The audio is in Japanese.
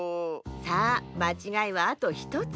さあまちがいはあと１つ。